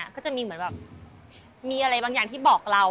ก็จะมีเหมือนแบบมีอะไรบางอย่างที่บอกเรา